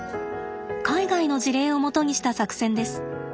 海外の事例を基にした作戦です。